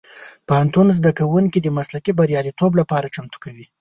پوهنتون زدهکوونکي د مسلکي بریالیتوب لپاره چمتو کوي.